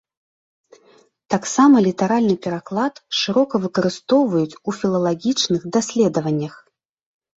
Таксама літаральны пераклад шырока выкарыстоўваюць у філалагічных даследаваннях.